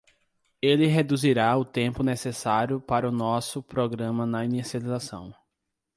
Ele reduzirá o tempo necessário para o nosso programa na inicialização.